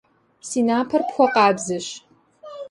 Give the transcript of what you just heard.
Си напэр пхуэкъабзэщ.